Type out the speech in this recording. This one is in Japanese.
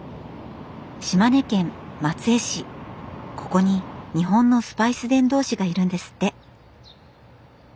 ここに日本のスパイス伝道師がいるんですって。